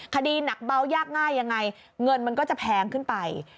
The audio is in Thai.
คดีหนักเบายากง่ายยังไงเงินมันก็จะแพงขึ้นไป